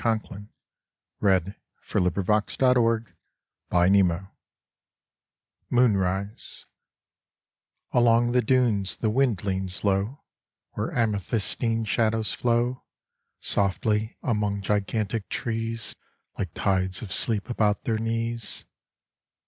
94 MOONRISE (For a Color Etching by George Senseney) Along the dunes the wind leans low Where amethystine shadows flow Softly among gigantic trees Like tides of sleep about their knees.